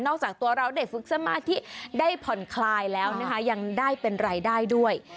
จากตัวเราเด็กฟึกสมาที่ได้ผ่อนคลายแล้วนะคะยังได้เป็นรายได้ด้วย